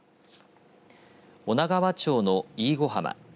女川町の飯子浜。